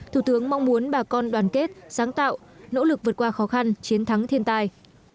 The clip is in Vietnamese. thủ tướng mong muốn bà con đoàn kết sáng tạo nỗ lực vượt qua khó khăn chiến thắng thiên tai